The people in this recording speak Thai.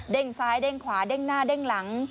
ซ้ายเด้งขวาเด้งหน้าเด้งหลัง